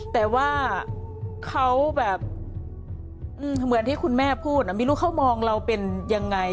แต่ว่าเขาแบบเหมือนที่คุณแม่พูดไม่รู้เขามองเราเป็นยังไง